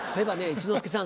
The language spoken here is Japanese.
一之輔さん